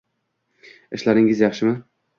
Ishlaringiz yaxshimi